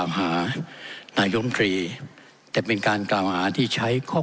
ขออนุโปรประธานครับขออนุโปรประธานครับขออนุโปรประธานครับขออนุโปรประธานครับขออนุโปรประธานครับ